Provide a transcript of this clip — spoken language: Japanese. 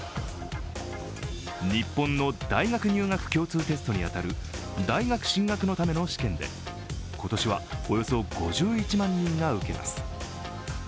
日本の大学入学共通テストに当たる大学進学のための試験で、今年はおよそ５１万人が受けます。